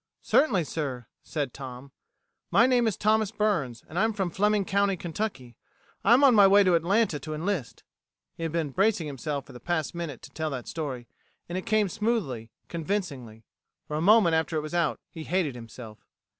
"Certainly, sir," said Tom. "My name is Thomas Burns, and I'm from Fleming County, Kentucky. I'm on my way to Atlanta to enlist." He had been bracing himself for the past minute to tell that story, and it came smoothly, convincingly. For a moment after it was out, he hated himself.